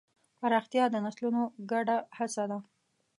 پراختیا د نسلونو ګډه هڅه ده.